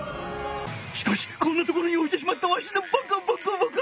しかしこんなところにおいてしまったわしのばかばかばか！